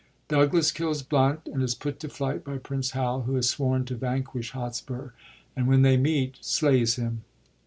Douglas kills Blunt, and is put to flight by Prince Hal, who has sworn to vanquish Hotspur, and, when they meet, slays him.